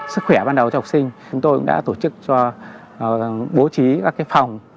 sức khỏe ban đầu cho học sinh chúng tôi cũng đã tổ chức cho bố trí các phòng